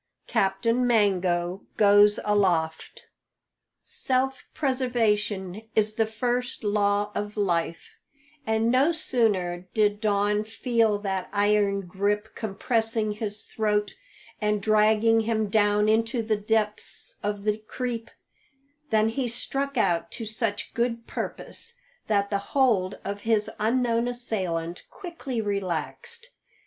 CAPTAIN MANGO "GOES ALOFT." Self preservation is the first law of life, and no sooner did Don feel that iron grip compressing his throat, and dragging him down into the depths of the creep, than he struck out to such good purpose that the hold of his unknown assailant quickly relaxed.